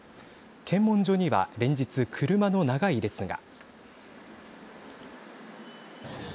検問所には連日、車の長い列が。